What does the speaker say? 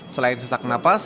selain sesak nafas